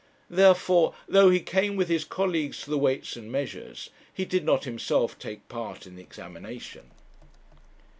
Therefore, though he came with his colleagues to the Weights and Measures, he did not himself take part in the examination.